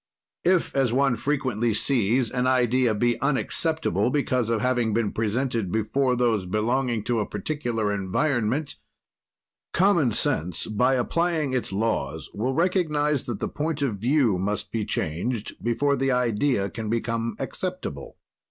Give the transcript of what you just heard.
"If, as one frequently sees, an idea be unacceptable because of having been presented before those belonging to a particular environment, common sense, by applying its laws, will recognize that the point of view must be changed before the idea can become acceptable."